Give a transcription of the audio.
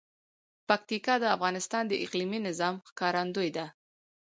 پکتیکا د افغانستان د اقلیمي نظام ښکارندوی ده.